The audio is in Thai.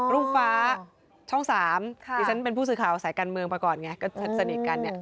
รุ่งฟ้าช่อง๓ดิฉันเป็นผู้สื่อข่าวสายการเมืองมาก่อนไงก็สนิทกันเนี่ย